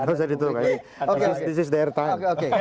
tidak usah ditutup lagi ini waktu mereka